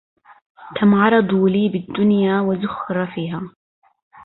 كم عرضوا لي بالدنيا وزخرفها